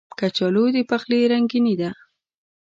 کچالو د پخلي رنګیني ده